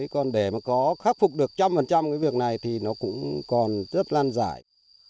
còn để mà có khắc phục được trăm phần trăm cái việc này thì nó cũng còn rất lan giải